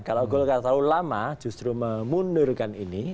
kalau golkar terlalu lama justru memundurkan ini